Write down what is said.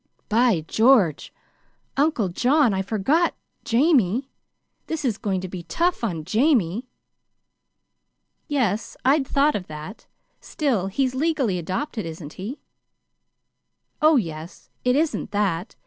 "By George! Uncle John, I forgot Jamie. This is going to be tough on Jamie!" "Yes, I'd thought of that. Still, he's legally adopted, isn't he?" "Oh, yes; it isn't that.